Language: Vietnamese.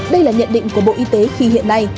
đây là nhận định của bộ y tế khi hiện nay